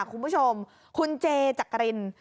คุณผู้ชมคุณเจจักริน